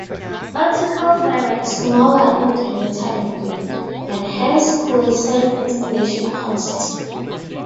Optical fiber is smaller in diameter and weight, and hence could save installation costs.